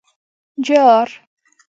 _جار!